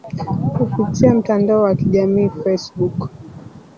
kupitia mtandao wa kijamii facebook